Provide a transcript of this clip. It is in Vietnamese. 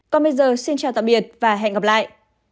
còn bây giờ xin chào tạm biệt và hẹn gặp lại